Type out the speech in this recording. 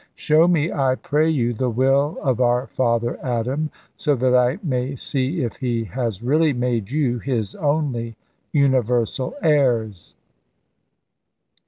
Show me, I pray you, the will of our father Adam, so that I may see if he has really made you his only univer sal heirs!'